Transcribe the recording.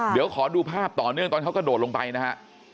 เดี๋ยวขอดูภาพต่อเนื่องตอนเขากระโดดลงไปนะฮะ